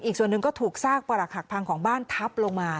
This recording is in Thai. อีกส่วนหนึ่งก็ถูกซากประหลักหักพังของบ้านทับลงมา